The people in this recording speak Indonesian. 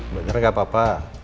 bener gak papa